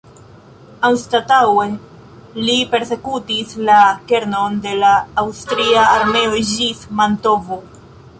Anstataŭe li persekutis la kernon de la Aŭstria armeo ĝis Mantovo.